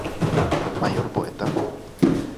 Maior poeta?